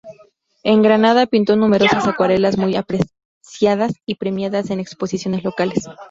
En Granada pintó numerosas acuarelas muy apreciadas y premiadas en exposiciones locales.